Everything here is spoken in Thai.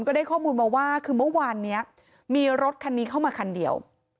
ก็ได้ข้อมูลมาว่าคือเมื่อวานนี้มีรถคันนี้เข้ามาคันเดียว